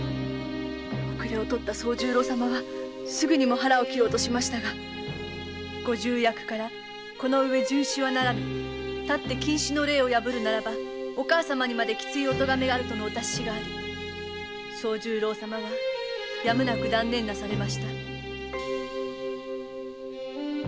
遅れをとった惣十郎様はすぐにも腹を切ろうとしましたがご重役から「このうえ殉死はならぬもし禁止の令を破るならばお母様にまできついお咎めがある」とのお達しがあり惣十郎様はやむなく断念なされました。